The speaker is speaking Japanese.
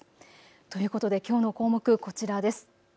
ということできょうの項目こちらです。